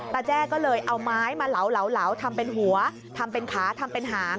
แจ้ก็เลยเอาไม้มาเหลาทำเป็นหัวทำเป็นขาทำเป็นหาง